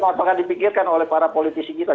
nah ini kenapa akan dipikirkan oleh para politisi kita